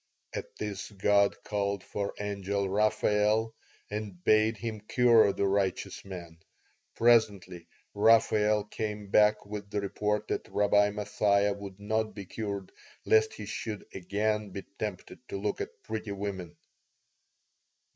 "At this God called for Angel Raphael and bade him cure the righteous man. Presently Raphael came back with the report that Rabbi Mathia would not be cured lest he should again be tempted to look at pretty women.